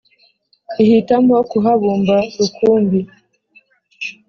Ihitamo kuhabumba rukumbi,